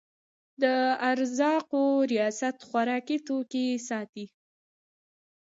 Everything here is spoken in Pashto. د ارزاقو ریاست خوراکي توکي ساتي